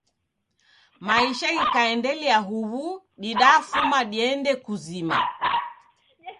Maisha ghikaendelia huw'u didafuma dende kuzima.